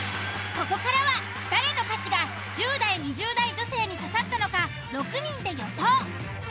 ここからは誰の歌詞が１０代２０代女性に刺さったのか６人で予想。